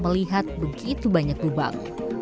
lagi itu banyak lubang